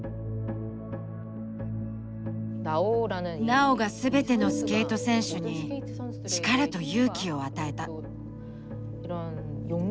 ナオが全てのスケート選手に力と勇気を与えた。